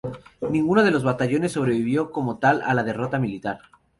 Ninguno de los batallones sobrevivió como tal a la derrota militar.